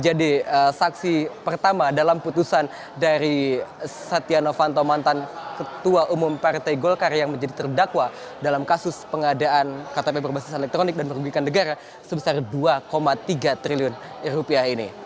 jadi saksi pertama dalam putusan dari satyana vanto mantan ketua umum partai golkar yang menjadi terdakwa dalam kasus pengadaan ktp berbasis elektronik dan merugikan negara sebesar dua tiga triliun rupiah ini